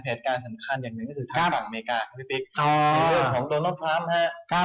เพจการสังคัญอย่างหนึ่งก็คือทางฝั่งอเมริกาครับพี่ปิ๊กในเรื่องของโดนอลท์ฟาร์มฮะ